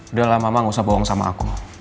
udah lah mama gak usah bohong sama aku